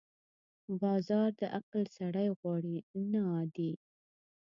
بازار د عقل سړی غواړي، نه عادي.